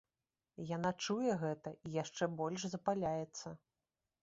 Яна чуе гэта і яшчэ больш запаляецца.